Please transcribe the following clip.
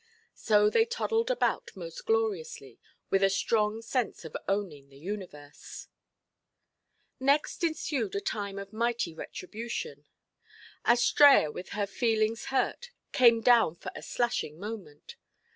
So they toddled about most gloriously, with a strong sense of owning the universe. Next ensued a time of mighty retribution. Astræa, with her feelings hurt, came down for a slashing moment.